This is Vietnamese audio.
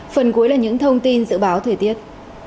phần cuối là những thông tin dự báo thời tiết